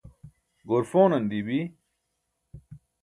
goor pʰonan dii bi.